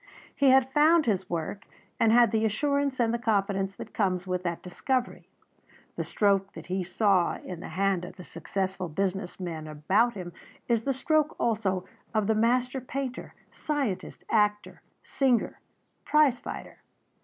He had found his work, and had the assurance and the confidence that comes with that discovery. The stroke that he saw in the hand of the successful business men about him is the stroke also of the master painter, scientist, actor, singer, prize fighter.